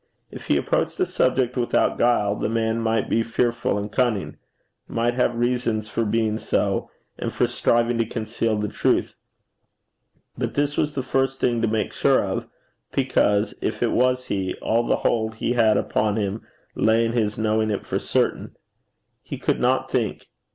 If he approached the subject without guile, the man might be fearful and cunning might have reasons for being so, and for striving to conceal the truth. But this was the first thing to make sure of, because, if it was he, all the hold he had upon him lay in his knowing it for certain. He could not think.